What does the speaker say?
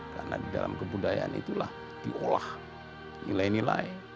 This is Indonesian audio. karena di dalam kebudayaan itulah diolah nilai nilai